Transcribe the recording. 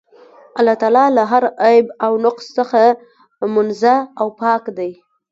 الله تعالی له هر عيب او نُقص څخه منزَّه او پاك دی